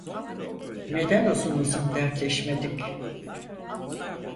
Neden uzun uzun dertleşmedik?